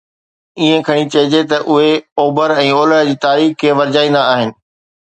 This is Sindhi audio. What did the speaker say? ائين کڻي چئجي ته اهي اوڀر ۽ اولهه جي تاريخ کي ورجائيندا آهن.